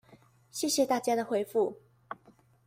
謝謝大家的回覆